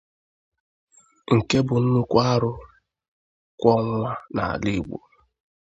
nke bụ nnukwu arụ kwọ nwa n'ala Igbo